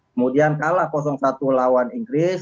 kemudian kalah satu lawan inggris